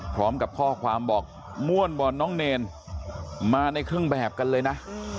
พร้อมกับข้อความบอกม่วนบอลน้องเนรมาในเครื่องแบบกันเลยนะ